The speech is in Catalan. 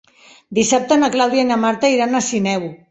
Dissabte na Clàudia i na Marta iran a Sineu.